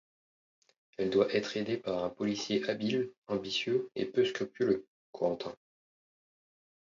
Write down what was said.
Elle doit être aidée par un policier habile, ambitieux et peu scrupuleux, Corentin.